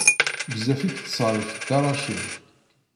Bezzaf i yettṣerrif Dda Racid.